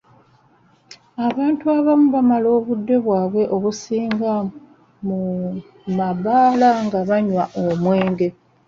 Abantu abamu bamala obudde bwabwe obusinga mu mabbaala nga banywa omwenge